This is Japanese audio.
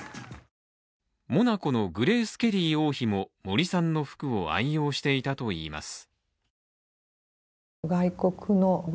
モナコのグレース・ケリー王妃も森さんの服を愛用していたといいます。